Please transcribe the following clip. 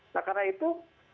nah karena itu